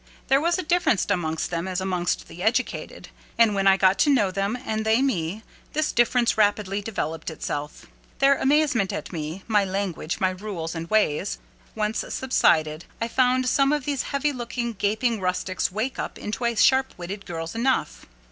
There was a difference amongst them as amongst the educated; and when I got to know them, and they me, this difference rapidly developed itself. Their amazement at me, my language, my rules, and ways, once subsided, I found some of these heavy looking, gaping rustics wake up into sharp witted girls enough.